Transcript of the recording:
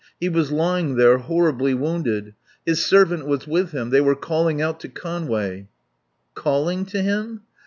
He was lying there, horribly wounded. His servant was with him; they were calling out to Conway " "Calling to him?"